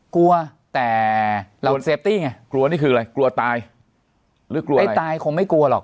กลัวแต่ไงกลัวนี่คืออะไรกลัวตายหรือกลัวอะไรตายคงไม่กลัวหรอก